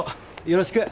よろしく！